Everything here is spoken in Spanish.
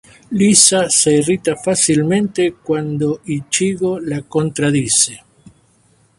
Lisa se irrita fácilmente cuando Ichigo la contradice.